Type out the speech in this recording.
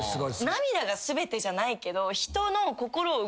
涙が全てじゃないけど。